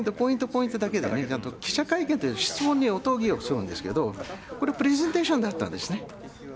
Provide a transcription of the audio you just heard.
ポイントだけでね、ちゃんと記者会見って、質問に応答するんですけど、これプレゼンテーションだったんですね。